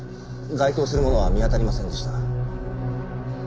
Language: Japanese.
該当するものは見当たりませんでした。